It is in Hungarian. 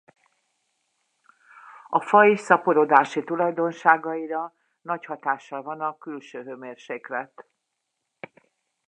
A faj szaporodási tulajdonságaira nagy hatással van a külső hőmérséklet.